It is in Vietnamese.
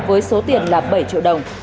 với số tiền là bảy triệu đồng